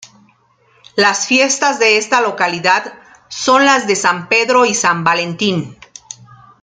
Las fiestas de esta localidad son las de san Pedro y san Valentín.